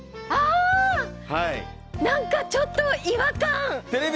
何かちょっと違和感。